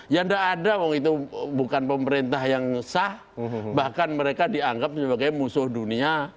ya tidak ada waktu itu bukan pemerintah yang sah bahkan mereka dianggap sebagai musuh dunia